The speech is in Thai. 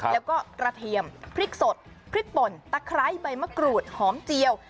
แล้วก็กระเทียมพริกสดพริกป่นตะไคร้ใบมะกรูดหอมเจียว